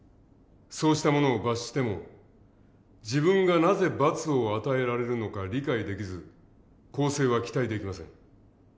そうした者を罰しても自分がなぜ罰を与えられるのか理解できず更生は期待できません。